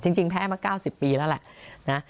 จริงจริงแพ้มาเก้าสิบปีแล้วแหละนะ